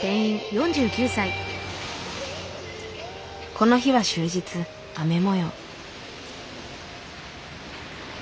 この日は終日雨もよう。